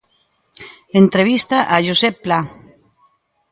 Entrevista a Josep Pla.